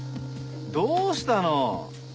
どうしたの？